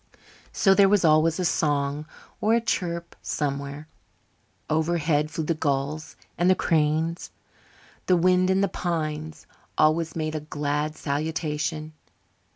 So there was always a song or a chirp somewhere. Overhead flew the gulls and the cranes. The wind in the pines always made a glad salutation.